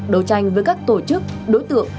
đấu tranh với các tổ chức đối tượng